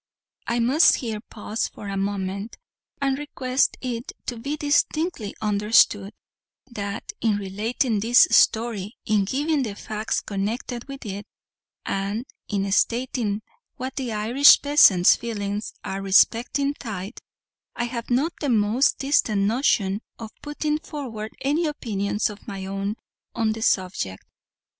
I must here pause for a moment, and request it to be distinctly understood, that, in relating this story, in giving the facts connected with it, and in stating what the Irish peasant's feelings are respecting tithe, I have not the most distant notion of putting forward any opinions of my own on the subject.